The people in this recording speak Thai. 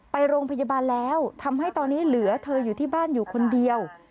ไปโรงพยาบาลแล้วทำให้ตอนนี้เหลือเธออยู่ที่บ้านอยู่คนเดียว